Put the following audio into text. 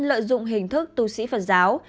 lợi dụng hình thức tu sĩ phật giáo